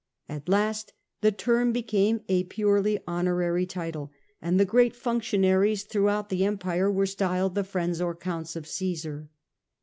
At last the term became a purely honorary title, and the great functionaries throughout the empire were styled the friends or counts of Caesar.